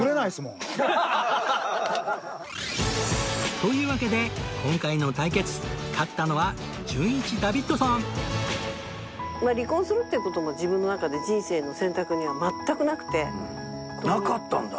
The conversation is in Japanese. というわけで今回の対決離婚するっていう事も自分の中で人生の選択には全くなくて。